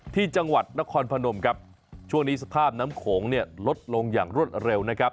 ที่จังหวัดนครพนมครับช่วงนี้สภาพน้ำโขงเนี่ยลดลงอย่างรวดเร็วนะครับ